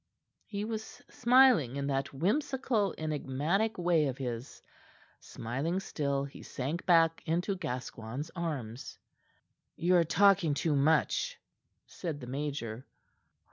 He was smiling in that whimsical enigmatic way of his. Smiling still he sank back into Gascoigne's arms. "You are talking too much," said the Major.